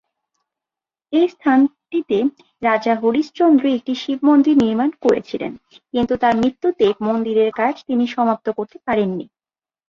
এই স্থানটিতে রাজা হরিশচন্দ্র, একটি শিবমন্দির নির্মাণ করছিলেন, কিন্তু তার মৃত্যুতে মন্দিরের কাজ তিনি সমাপ্ত করতে পারেননি।